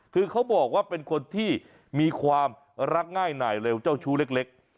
คือเขาบอกว่าเป็นคนที่มีความรักง่ายหน่ายเร็วเจ้าชู้เล็ก